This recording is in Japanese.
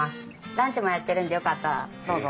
ランチもやってるんでよかったらどうぞ。